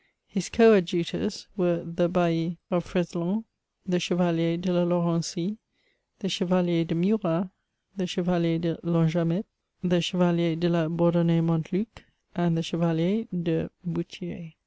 His coadjutors were the Bailli of Freslon, the Chevalier de la Laurende, the Cheralier de Murat, the Chevalier de Lanjamet, the Chevalier de la Bourdonnaye Montluc, and the Chevalier de Bouetiez.